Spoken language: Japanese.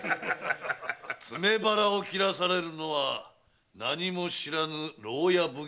詰め腹を切らされるのは何も知らぬ牢屋奉行の石出帯刀。